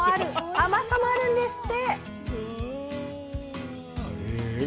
甘さもあるんですって！